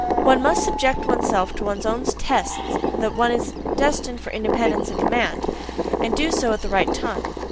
One must subject oneself to one's own tests that one is destined for independence and command, and do so at the right time.